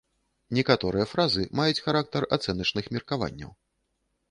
Некаторыя фразы маюць характар ацэначных меркаванняў.